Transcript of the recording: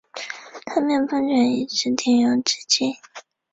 地面喷泉一直停用至今。